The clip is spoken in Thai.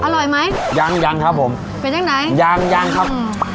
อร่อยไหมยังยังครับผมเป็นจังไหนยังยังครับอืม